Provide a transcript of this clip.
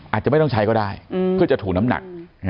อาจจะไม่ต้องใช้ก็ได้เพื่อจะถูน้ำหนัก